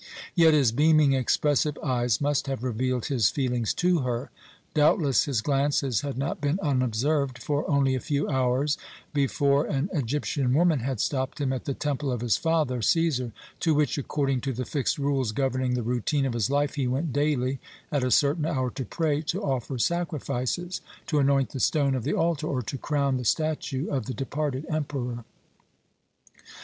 Yet his beaming, expressive eyes must have revealed his feelings to her. Doubtless his glances had not been unobserved, for only a few hours before an Egyptian woman had stopped him at the temple of his father, Cæsar, to which, according to the fixed rules governing the routine of his life, he went daily at a certain hour to pray, to offer sacrifices, to anoint the stone of the altar, or to crown the statue of the departed emperor.